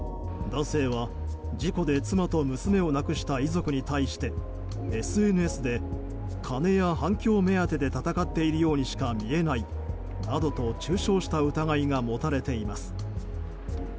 男性は、事故で妻と娘を亡くした遺族に対してＳＮＳで金や反響目当てで戦っているようにしか見えないなどと中傷した疑いが持たれています。